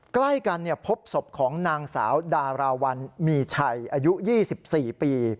ใกล้กันพบศพของนางสาวดาราวัลมีชัยอายุ๒๔ปี